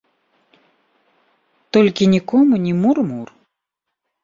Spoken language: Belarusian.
Толькі нікому ні мур-мур.